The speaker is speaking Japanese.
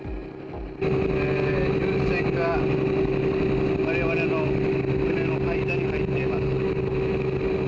巡視船がわれわれの船の間に入っています。